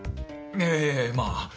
ええまあ。